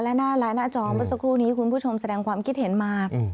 และหน้าไลน์หน้าจอเมื่อสักครู่นี้คุณผู้ชมแสดงความคิดเห็นมา